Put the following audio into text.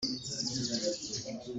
A chimmi nih an lung a tong hna lo.